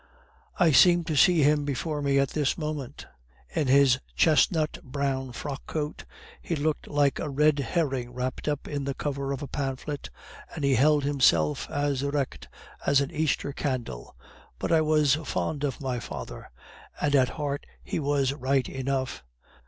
"I seem to see him before me at this moment. In his chestnut brown frock coat he looked like a red herring wrapped up in the cover of a pamphlet, and he held himself as erect as an Easter candle. But I was fond of my father, and at heart he was right enough.